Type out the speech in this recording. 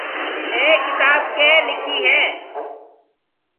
اَي ڪتاب ڪيَ لکِي هيَ۔